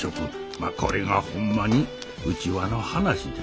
まっこれがほんまに内輪の話じゃ。